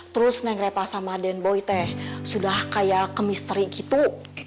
terus yang reva sama den boy teh sudah kayak ke misteri gitu